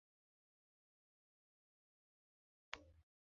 Yim i ni boy nu-nuŋ pul naŋ duhru ƴo waka tutuy ɓeɓ fe.